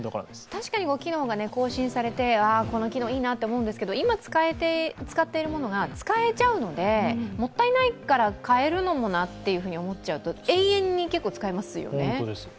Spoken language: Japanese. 確かに機能が更新されて、この機能いいなと思うんだけど今使っているものが使えちゃうので、もったいないから替えるのもなって思っちゃうと永遠に結構使いますよね。